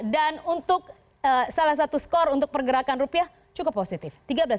dan untuk salah satu skor untuk pergerakan rupiah cukup positif